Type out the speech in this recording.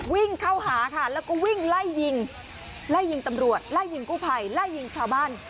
วิ่งเข้าหาค่ะแล้วก็วิ่งไล่ยิงไล่ยิงตำรวจไล่ยิงกู้ภัยไล่ยิงชาวบ้าน